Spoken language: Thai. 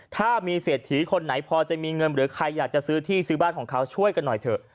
ถ้ามีเศรษฐีคนไหนพอจะมีเงินหรือใครอยากจะซื้อที่ซื้อบ้านของเขาช่วยกันหน่อยเถอะ